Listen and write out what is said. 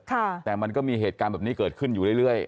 แต่มันก็มีเหตุการณ์แบบนี้เกิดขึ้นอยู่เรื่อย